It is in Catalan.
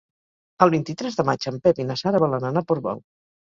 El vint-i-tres de maig en Pep i na Sara volen anar a Portbou.